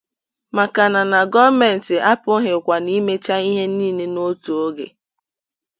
maka na gọọmentị apụghịkwanụ imecha ihe niile n'otu oge.